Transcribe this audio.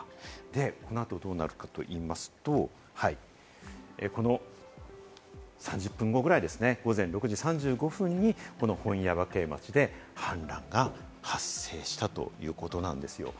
この後、どうなるかと言いますと、３０分後ぐらい、６時３５分頃に本耶馬渓町で氾濫が発生したということなんです。